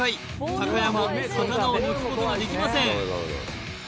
高山刀を抜くことができません